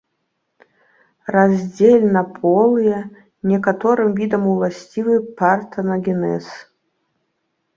Раздзельнаполыя, некаторым відам уласцівы партэнагенез.